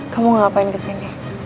kamu ngapain kesini